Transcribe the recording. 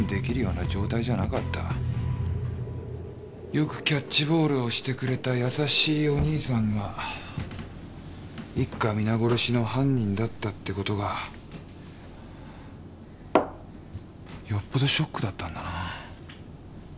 よくキャッチボールをしてくれた優しいおにいさんが一家皆殺しの犯人だったってことがよっぽどショックだったんだな。